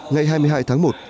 ngày hai mươi hai tháng một